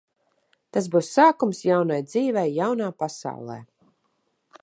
Tas būs sākums jaunai dzīvei jaunā pasaulē.